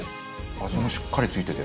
味もしっかり付いてて。